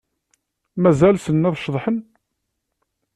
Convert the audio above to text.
Mazal ssnen ad ceḍḥen?